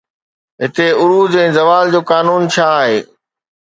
هتي عروج ۽ زوال جو قانون ڇا آهي؟